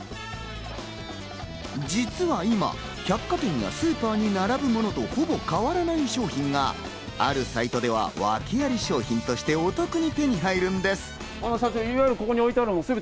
実は今、百貨店やスーパーに並ぶものとほぼ変わらない商品が、あるサイトでは訳あり商品としてお得に手に入るんです。